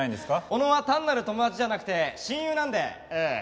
小野は単なる友達じゃなくて親友なのでええ。